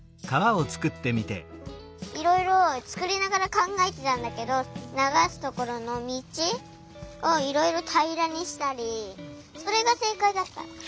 いろいろつくりながらかんがえてたんだけどながすところのみちをいろいろたいらにしたりそれがせいかいだった。